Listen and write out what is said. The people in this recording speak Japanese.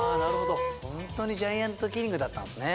ホントにジャイアントキリングだったんですね。